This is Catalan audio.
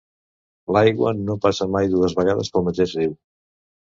L'aigua no passa mai dues vegades pel mateix riu.